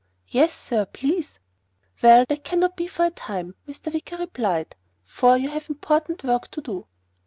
"Yes sir. Please." "Well, that cannot be for a time," Mr. Wicker replied, "for you have important work to do."